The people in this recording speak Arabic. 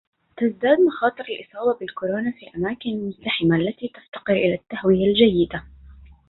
تزداد مخاطر الإصابة بالكورونا في الأماكن المزدحمة التي تفتقر إلى التهوية الجيدة